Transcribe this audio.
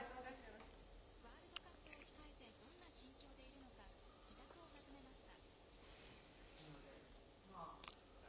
ワールドカップを控えてどんな心境でいるのか、自宅を訪ねました。